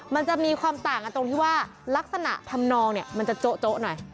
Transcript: มันจะมีความต่างกันตรงที่ว่าลักษณะทำนองเนี่ยมันจะโจ๊ะหน่อย